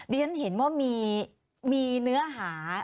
เรียนเห็นว่ามีเนื้อหา